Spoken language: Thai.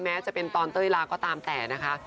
แม้จะเป็นตอนเต้ยลาก็ตามแต่นะคะ